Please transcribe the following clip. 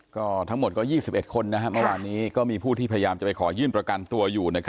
ก็ทั้งหมดก็ยี่สิบเอ็ดคนนะครับวันนี้ก็มีผู้ที่พยายามจะไปขอยื่นประกันตัวอยู่นะครับ